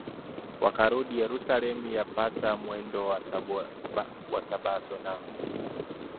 wakarudi Yerusalemu yapata mwendo wa sabato na